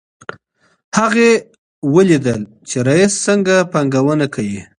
هغې ولیدل چې رییس څنګه پانګونه کوي.